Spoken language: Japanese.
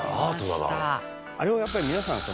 「あれをやっぱり皆さん